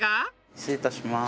失礼いたします。